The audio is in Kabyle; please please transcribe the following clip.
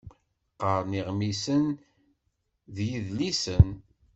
Qqaren iɣmisen d yidlisen.